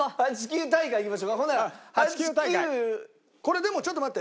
これでもちょっと待って。